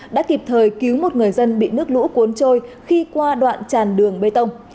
đã kịp thời cứu một người dân bị nước lũ cuốn trôi khi qua đoạn tràn đường bê tông